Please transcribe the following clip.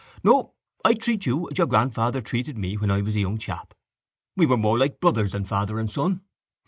No, I treat you as your grandfather treated me when I was a young chap. We were more like brothers than father and son.